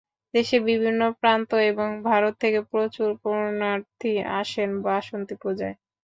দেশের বিভিন্ন প্রান্ত এবং ভারত থেকেও প্রচুর পুণ্যার্থী আসেন বাসন্তী পূজায়।